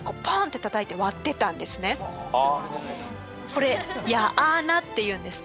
これ矢穴っていうんですけど。